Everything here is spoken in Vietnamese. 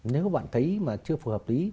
nếu các bạn thấy chưa phù hợp ý